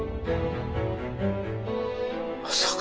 まさか。